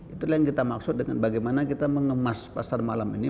itulah yang kita maksud dengan bagaimana kita mengemas pasar malam ini